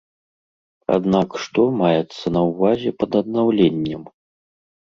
Аднак што маецца на ўвазе пад аднаўленнем?